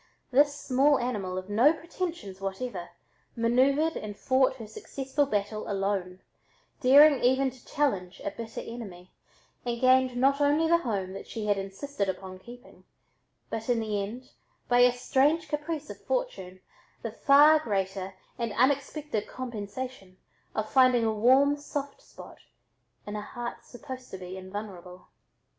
This small animal of no pretensions whatever, manoeuvered and fought her successful battle alone, daring even to challenge a bitter enemy, and gained not only the home that she had insisted upon keeping, but in the end, by a strange caprice of fortune, the far greater and unexpected compensation of finding a warm soft spot in a heart supposed to be invulnerable.